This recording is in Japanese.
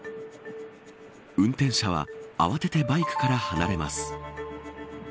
運転者は慌ててバイクから離れます。